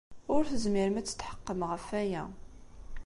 Ur tezmirem ad tetḥeqqem ɣef waya.